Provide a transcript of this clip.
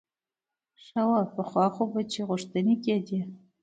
ښه وه پخوا خو به چې غوښتنې کېدې.